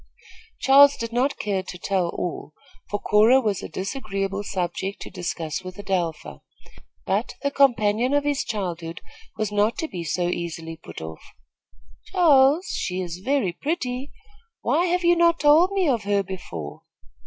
Charles did not care to tell all, for Cora was a disagreeable subject to discuss with Adelpha; but the companion of his childhood was not to be so easily put off. "Charles, she is very pretty. Why have you not told me of her before?"